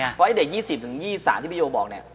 เพราะไอ้เด็ก๒๐๒๓ที่พี่โยบอกเนี่ย